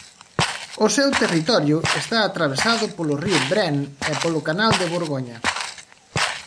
O seu territorio está atravesado polo río Brenne e polo canal de Borgoña.